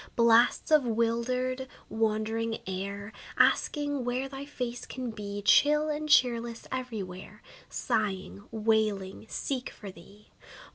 Blasts of wildered, wandering air, Asking where thy face can be, Chill and cheerless, every where, Sighing, wailing, seek for thee.